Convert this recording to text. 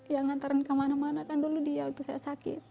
yang ngantarin kemana mana kan dulu dia waktu saya sakit